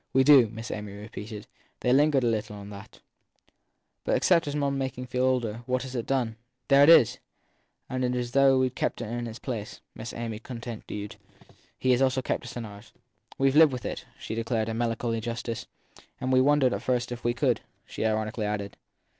We do, Miss Amy repeated they lingered a little on that. But except making one feel older, what has it done for one ? There it is ! And though we ve kept him in his place/ Miss Amy con tinued, he has also kept us in ours. We ve lived with it/ she declared in melancholy justice. And we wondered at first if we could ! she ironically added.